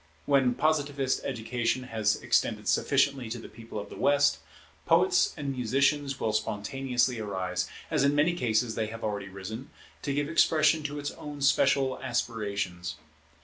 When Positivist education has extended sufficiently to the People of the West, poets and musicians will spontaneously arise, as in many cases they have already risen, to give expression to its own special aspirations.